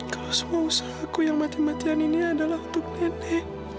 kalau semua usaha aku yang mati matian ini adalah untuk nenek